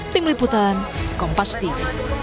tim liputan kompas tim